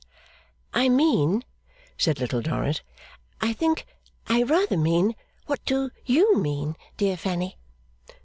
'I mean,' said Little Dorrit 'I think I rather mean what do you mean, dear Fanny?